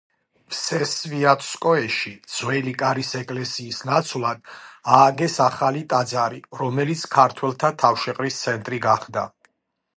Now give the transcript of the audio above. ვსესვიატსკოეში ძველი კარის ეკლესიის ნაცვლად ააგეს ახალი ტაძარი, რომელიც ქართველთა თავშეყრის ცენტრი გახდა.